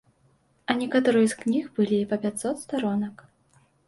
А некаторыя з кніг былі па пяцьсот старонак.